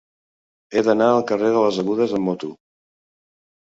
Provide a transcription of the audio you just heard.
He d'anar al carrer de les Agudes amb moto.